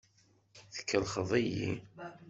Tkellxeḍ-iyi.